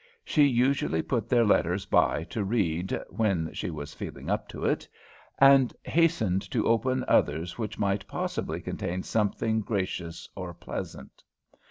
She usually put their letters by to read "when she was feeling up to it" and hastened to open others which might possibly contain something gracious or pleasant.